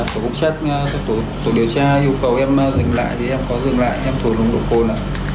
tổ công chất tổ điều tra yêu cầu em dừng lại thì em có dừng lại em thuộc nồng độ cồn